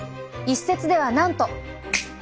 一説ではなんと。